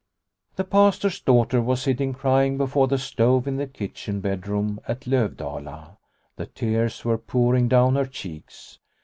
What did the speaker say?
The Pastor's daughter was sitting crying before the stove in the kitchen bedroom at Lovdala. The tears were pouring down her cheeks.